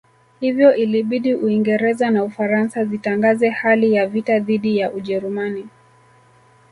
Hivyo ilibidi Uingereza na Ufaransa zitangaze hali ya vita dhidi ya Ujerumani